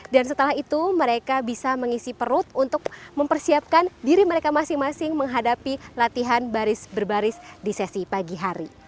dan setelah itu mereka bisa mengisi perut untuk mempersiapkan diri mereka masing masing menghadapi latihan baris berbaris di sesi pagi hari